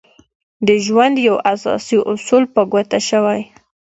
د ژوند يو اساسي اصول په ګوته شوی.